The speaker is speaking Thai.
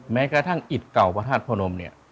แม้กระทั่งอิตเก่าพระธาตุพระนมเนี่ย